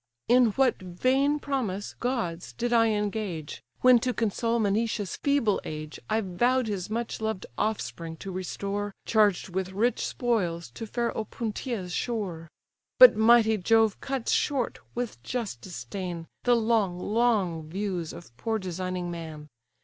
"In what vain promise, gods! did I engage, When to console Menoetius' feeble age, I vowed his much loved offspring to restore, Charged with rich spoils, to fair Opuntia's shore? But mighty Jove cuts short, with just disdain, The long, long views of poor designing man!